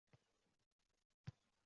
Hu, juvon oʼlgur!..